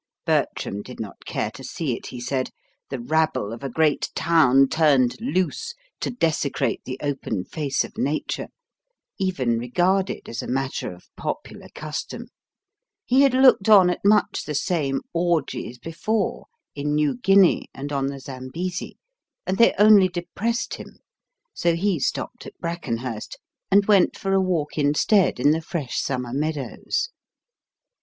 Bertram did not care to see it, he said the rabble of a great town turned loose to desecrate the open face of nature even regarded as a matter of popular custom; he had looked on at much the same orgies before in New Guinea and on the Zambesi, and they only depressed him: so he stopped at Brackenhurst, and went for a walk instead in the fresh summer meadows.